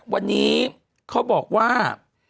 วันนี้เขาบอกว่า